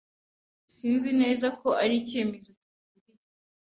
Sinzi neza ko ari icyemezo gikwiye.